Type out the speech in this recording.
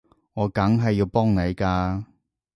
我梗係要幫你㗎